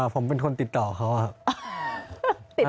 ผมเป็นคนติดต่อเขาครับ